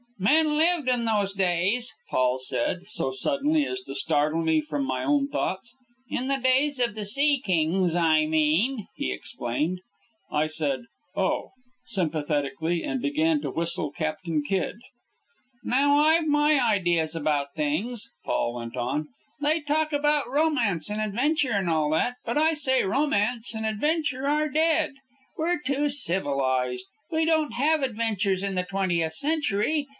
"Men lived in those days," Paul said, so suddenly as to startle me from my own thoughts. "In the days of the sea kings, I mean," he explained. I said "Oh!" sympathetically, and began to whistle "Captain Kidd." "Now, I've my ideas about things," Paul went on. "They talk about romance and adventure and all that, but I say romance and adventure are dead. We're too civilized. We don't have adventures in the twentieth century.